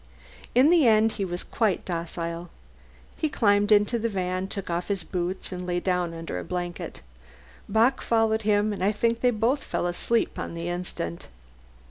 In the end he was quite docile. He climbed into the van, took off his boots, and lay down under a blanket. Bock followed him, and I think they both fell asleep on the instant.